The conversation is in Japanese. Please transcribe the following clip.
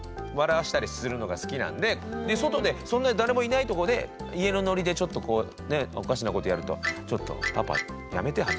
で外でそんな誰もいないとこで家のノリでちょっとこうねおかしなことやるとちょっとパパやめて恥ずかしいからみたいな。